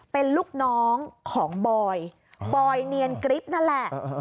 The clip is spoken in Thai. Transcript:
เป็นลูกน้องของบอยบอยเนียนกริ๊บนั่นแหละ